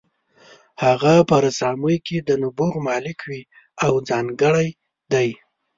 هغه په رسامۍ کې د نبوغ مالک وي او ځانګړی دی.